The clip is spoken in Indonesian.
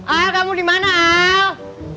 al kamu dimana al